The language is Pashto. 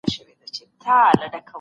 لومړنۍ ښځه د هغه لپاره د تنور په څیر ده.